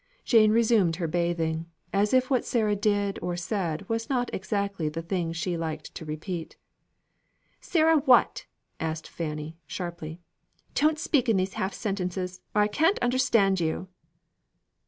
Jane resumed her bathing, as if what Sarah did or said was not exactly the thing she liked to repeat. "Sarah what?" asked Fanny, sharply. "Don't speak in these half sentences, or I can't understand you."